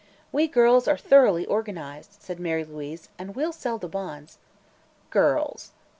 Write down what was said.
"We girls are thoroughly organized," said Mary Louise, "and we'll sell the bonds." "Girls!"